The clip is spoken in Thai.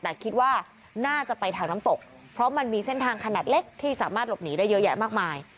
แต่คิดว่าน่าจะไปทางน้ำตกเพราะมันมีเส้นทางขนาดเล็กที่สามารถหลบหนีได้เยอะแยะมากมาย